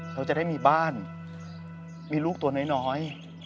เขาจะได้มีบ้านมีลูกตัวน้อย